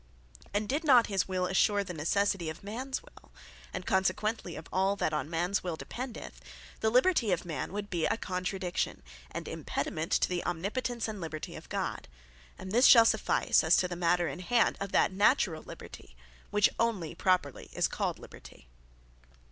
And did not his will assure the Necessity of mans will, and consequently of all that on mans will dependeth, the Liberty of men would be a contradiction, and impediment to the omnipotence and Liberty of God. And this shall suffice, (as to the matter in hand) of that naturall Liberty, which only is properly called Liberty.